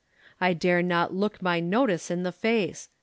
I dare not look my notice in the face.